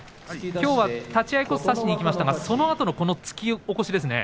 きょうは立ち合いこそ差しにいきましたがそのあとの突き起こしですね。